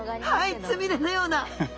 はいつみれのような。